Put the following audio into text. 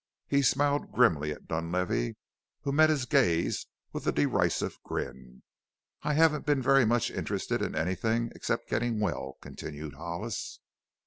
He smiled grimly at Dunlavey, who met his gaze with a derisive grin. "I haven't been very much interested in anything except getting well," continued Hollis.